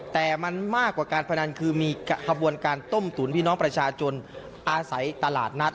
แต่มันมากกว่าการพนันคือมีขบวนการต้มตุ๋นพี่น้องประชาชนอาศัยตลาดนัด